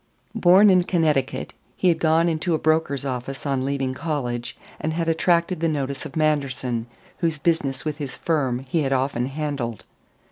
Born in Connecticut, he had gone into a broker's office on leaving college, and had attracted the notice of Manderson, whose business with his firm he had often handled.